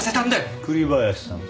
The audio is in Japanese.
栗林さん。